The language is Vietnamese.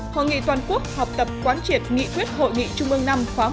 hội nghị toàn quốc học tập quán triệt nghị thuyết hội nghị trung ương năm khóa một mươi hai của đảng